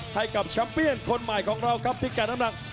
ให้กับชัมเปญคนใหม่ของเราครับพี่แก่น้ำหนัง